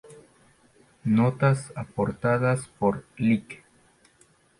Notas aportadas por Lic.